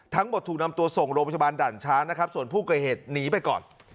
ทั้งหมดถูกนำตัวส่งโรงพยาบาลด่านช้างส่วนผู้เกยรติหนีไปก่อน